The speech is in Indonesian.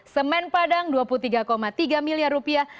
semen padang dua puluh tiga tiga miliar rupiah